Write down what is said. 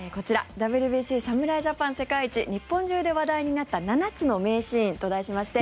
ＷＢＣ、侍ジャパン世界一日本中で話題になった７つの名シーンと題しまして